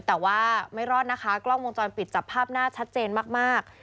แต่ว่าไม่รอดนะคะกล้องวงจรปิดจับภาพหน้าชัดเจนมาก